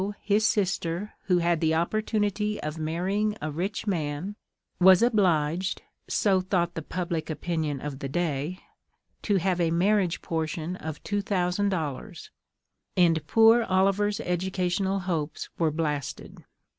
his sister, who had the opportunity of marrying a rich man, was obliged so thought the public opinion of the day to have a marriage portion of $2,000, and poor Oliver's educational hopes were blasted.